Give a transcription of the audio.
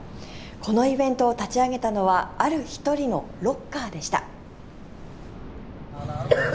このイベントを立ち上げたのはある１人のロッカーでした。